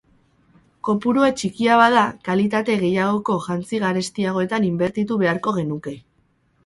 Kopurua txikia bada, kalitate gehiagoko jantzi garestiagoetan inbertitu beharko genuke.